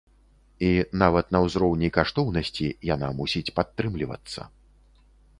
І, нават на ўзроўні каштоўнасці, яна мусіць падтрымлівацца.